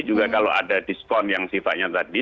juga kalau ada diskon yang sifatnya tadi